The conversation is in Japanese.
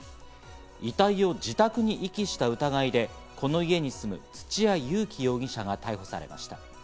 遺体を自宅に遺棄した疑いで、この家に住む土屋勇貴容疑者が逮捕されました。